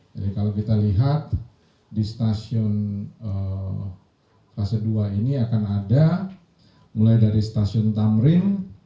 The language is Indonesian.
jadi kalau kita lihat di stasiun fase dua ini akan ada mulai dari stasiun tamrin